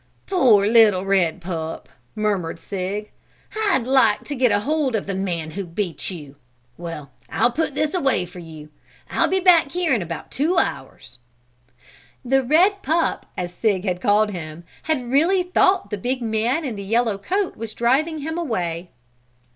"Poor little red pup," murmured Sig. "I'd like to get hold of the man who beat you! Well, I'll put this away for you. I'll be back here in about two hours." The "red pup," as Sig had called him, had really thought the big man in the yellow coat was driving him away.